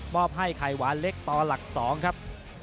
อบให้ไข่หวานเล็กต่อหลัก๒ครับ